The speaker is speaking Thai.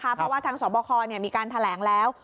เพราะว่าทางสอบคอมีการแถลงแล้ว